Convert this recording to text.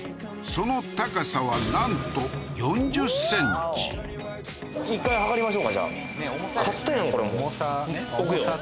その高さはなんと一回計りましょうかじゃあ勝ったやん